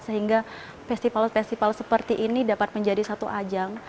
sehingga festival festival seperti ini dapat menjadi satu ajang